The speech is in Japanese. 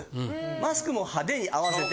マスクも派手に合わせて。